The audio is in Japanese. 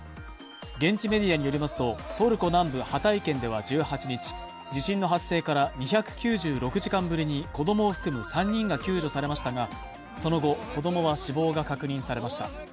現地メディアによりますと、トルコ南部ハタイ県では１８日、地震の発生から２９６時間ぶりに子供を含む３人が救助されましたがその後、子供は死亡が確認されました。